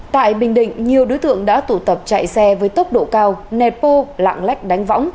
tại bình định nhiều đối tượng đã tụ tập chạy xe với tốc độ cao nẹt pô lạng lách đánh võng